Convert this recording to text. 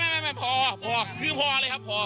ไม่พอคือพอเลยครับ